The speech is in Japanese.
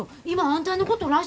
今あんたのこと